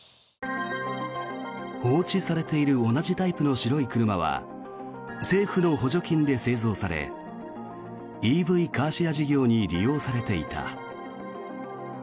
放置されている同じタイプの白い車は政府の補助金で製造されＥＶカーシェア事業に利用されていた。